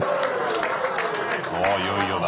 あいよいよだ。